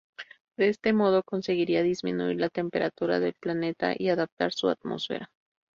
De este modo, conseguiría disminuir la temperatura del planeta y adaptar su atmósfera.